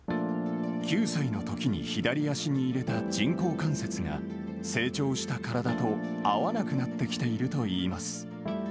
９歳のときに左足に入れた人工関節が成長した体と合わなくなってきているといいます。